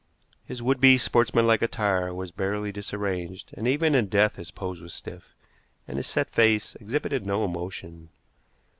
His would be sportsmanlike attire was barely disarranged, and even in death his pose was stiff, and his set face exhibited no emotion.